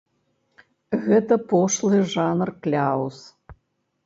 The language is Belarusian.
Гэта пошлы жанр кляўз.